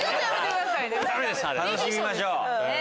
楽しみましょう。